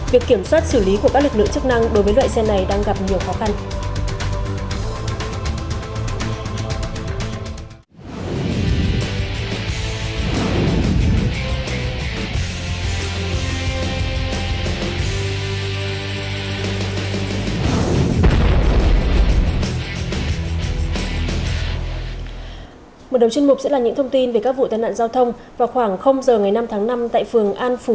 việc kiểm soát xử lý của các lực lượng chức năng đối với loại xe này đang gặp nhiều khó khăn